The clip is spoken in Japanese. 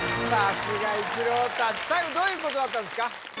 さすが一朗太最後どういうことだったんですか